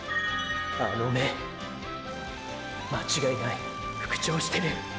あの目――間違いない復調してる！！